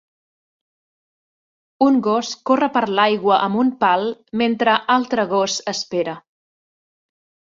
Un gos corre per l"aigua amb un pal mentre altre gos espera.